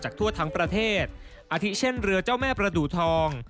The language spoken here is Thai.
ทั่วทั้งประเทศอาทิตเช่นเรือเจ้าแม่ประดูทอง